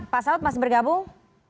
pak saud masih bergabung